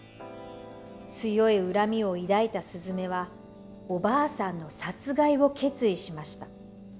強い恨みを抱いたすずめはおばあさんの殺害を決意しました。